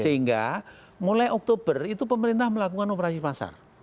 sehingga mulai oktober itu pemerintah melakukan operasi pasar